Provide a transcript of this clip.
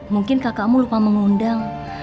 mungkin kakakmu lupa mengundang